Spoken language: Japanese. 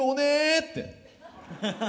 って。